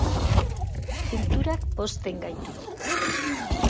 Kulturak pozten gaitu.